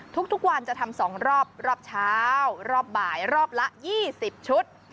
ทุกวันจะทำ๒รอบรอบเช้ารอบบ่ายรอบละ๒๐ชุด